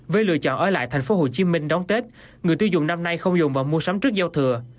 với lựa chọn ở lại tp hcm đón tết người tiêu dùng năm nay không dùng vào mua sắm trước giao thừa